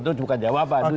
itu bukan jawaban